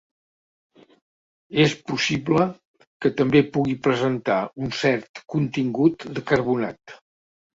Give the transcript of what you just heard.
És possible que també pugui presentar un cert contingut de carbonat.